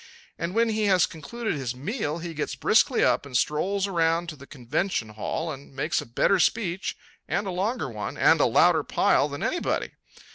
And when he has concluded his meal he gets briskly up and strolls around to the convention hall and makes a better speech and a longer one and a louder pile than anybody.